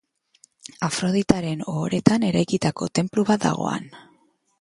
Afroditaren ohoretan eraikitako tenplu bat dago han.